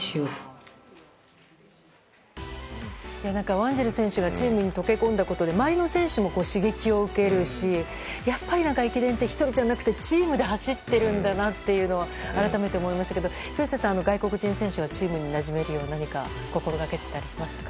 ワンジル選手がチームに溶け込んだことで周りの選手も刺激を受けるしやっぱり駅伝って１人じゃなくてチームで走っているんだなというのを改めて思いましたけど廣瀬さん、外国人選手がチームになじめるように何か心がけていたりしましたか？